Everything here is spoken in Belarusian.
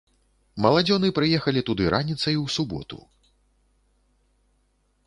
Маладзёны прыехалі туды раніцай у суботу.